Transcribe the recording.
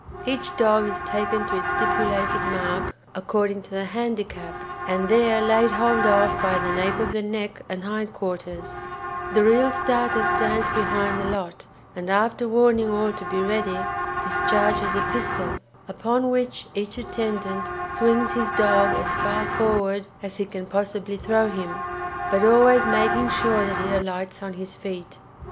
Each dog is taken to its stipulated mark according to the handicap, and there laid hold of by the nape of the neck and hind quarters; the real starter stands behind the lot, and after warning all to be ready, discharges a pistol, upon which each attendant swings his dog as far forward as he can possibly throw him, but always making sure that he alights on his feet.